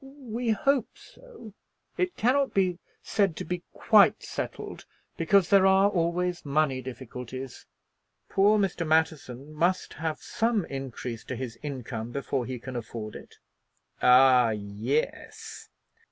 "We hope so. It cannot be said to be quite settled, because there are always money difficulties. Poor Mr. Matterson must have some increase to his income before he can afford it." "Ah, yes!"